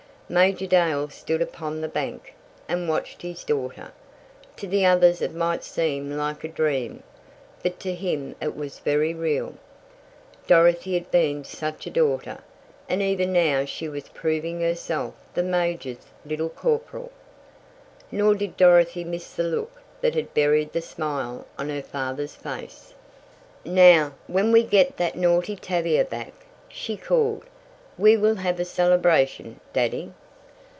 Major Dale stood upon the bank, and watched his daughter. To the others it might seem like a dream, but to him it was very real. Dorothy had been such a daughter, and even now she was proving herself the Major's "little corporal." Nor did Dorothy miss the look that had buried the smile on her father's face. "Now, when we get that naughty Tavia back," she called, "we will have a celebration, Daddy."